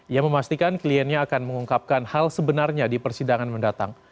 ia memastikan kliennya akan mengungkapkan hal sebenarnya di persidangan mendatang